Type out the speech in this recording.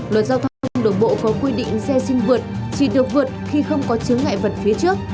luật giao thông đường bộ có quy định xe sinh vượt chỉ được vượt khi không có chứng ngại vật phía trước